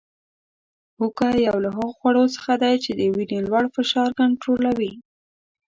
هوګه یو له هغو خوړو څخه دی چې د وینې لوړ فشار کنټرولوي